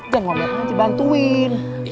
jangan ngeliatnya nanti bantuin